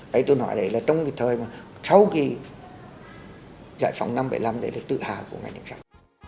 đấy tôi nói đấy là trong cái thời mà sau cái giải phóng năm bảy mươi năm đấy là tự hào của ngành đường sát